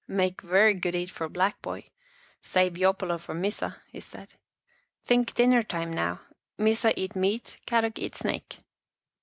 " Make very good eat for black boy, save yopolo for Missa," he said. " Think dinner time now, Missa eat meat, Kadok eat snake."